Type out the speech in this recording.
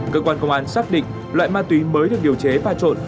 cơ quan công an xác định loại ma túy mới được điều chế pha trộn